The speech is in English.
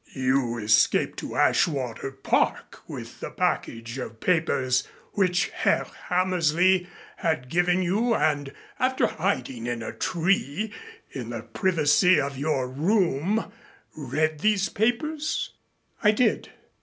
"You escaped to Ashwater Park with the package of papers which Herr Hammersley had given you and, after hiding in a tree, in the privacy of your room read these papers?" "I did."